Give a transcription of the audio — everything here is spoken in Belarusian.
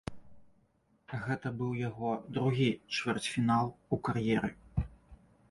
Гэта быў яго другі чвэрцьфінал у кар'еры.